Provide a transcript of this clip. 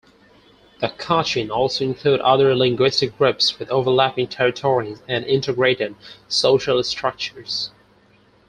The Kachin also include other linguistic groups with overlapping territories and integrated social structures.